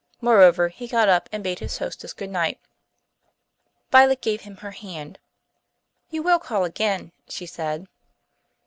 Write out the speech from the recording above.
Moreover, he got up and bade his hostess good night. Violet gave him her hand. "You will call again?" she said.